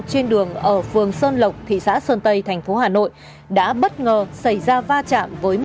trên đường ở phường sơn lộc thị xã sơn tây thành phố hà nội đã bất ngờ xảy ra va chạm với một